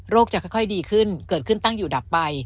จะค่อยดีขึ้นเกิดขึ้นตั้งอยู่ดับไป